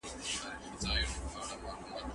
تاسو کولای سئ خپله نتیجه له نورو سره شریک کړئ.